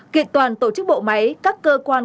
kiệt toàn tổ chức bộ máy các cơ quan